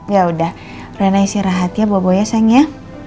yaudah rena istirahat ya bobo ya sayang ya